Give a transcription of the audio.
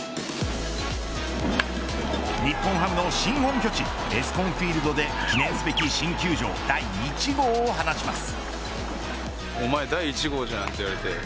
日本ハムの新本拠地エスコンフィールドで記念すべき新球場第１号を放ちます。